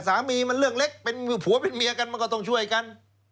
สามีมันเรื่องเล็กเป็นผัวเป็นเมียกันมันก็ต้องช่วยกัน